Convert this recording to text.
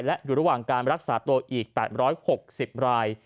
และอยู่ระหว่างการรักษาตัวอีก๘๖๐ราย